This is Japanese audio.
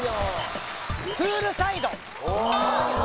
プールサイド